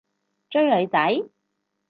追女仔？